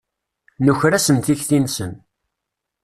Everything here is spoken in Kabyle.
Nuker-asen tikti-nsen.